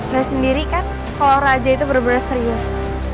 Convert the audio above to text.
lo sendiri kan kalau raja itu bener bener serius